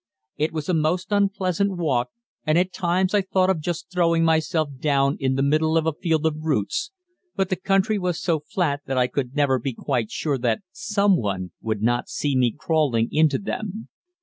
It was a most unpleasant walk, and at times I thought of just throwing myself down in the middle of a field of roots, but the country was so flat that I could never be quite sure that someone would not see me crawling into them.